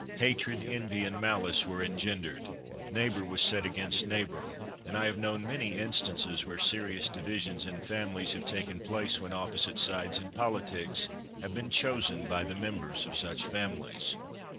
Hatred, envy, and malice were engendered. Neighbour was set against neighbour, and I have known many instances where serious divisions in families have taken place when opposite sides in politics have been chosen by the members of such families.